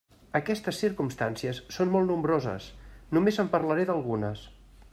Aquestes circumstàncies són molt nombroses; només en parlaré d'algunes.